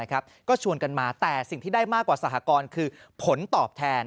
ก็ชวนกันมาแต่สิ่งที่ได้มากกว่าสหกรณ์คือผลตอบแทน